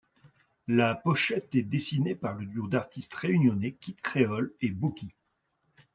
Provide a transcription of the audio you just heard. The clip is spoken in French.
La pochette est dessinée par le duo d'artistes réunionnais Kid Kréol & Boogie.